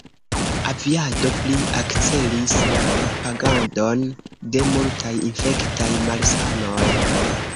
Aviado pli akcelis la propagadon de multaj infektaj malsanoj.